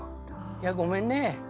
いやごめんねえ